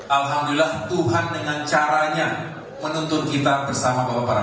alhamdulillah tuhan dengan caranya menuntun kita bersama bapak bapak